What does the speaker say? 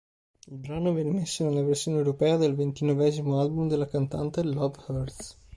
Il brano viene messo nella versione europea del ventinovesimo album della cantante "Love Hurts".